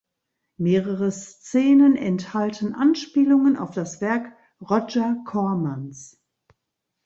Mehrere Szenen enthalten Anspielungen auf das Werk Roger Cormans.